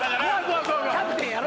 キャプテンやろ？